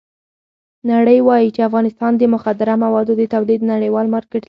نړۍ وایي چې افغانستان د مخدره موادو د تولید نړیوال مارکېټ دی.